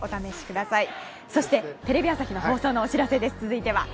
続いて、テレビ朝日の放送のお知らせです。